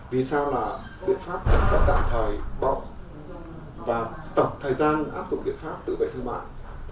vì sao là biện pháp tạm thời bỏ và tập thời gian áp dụng biện pháp tự vệ thư mạng